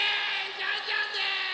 ジャンジャンです！